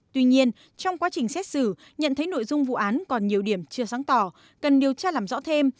tuy nhiên trong quá trình xét xử nhận thấy nội dung vụ án còn nhiều điểm chưa sáng tỏ cần điều tra làm rõ thêm